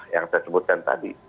yang tersebutkan tadi